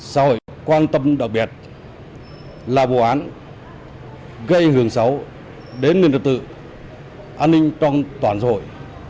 xã hội quan tâm đặc biệt là vụ án gây hưởng xấu đến nền độc tự an ninh trong toàn xã hội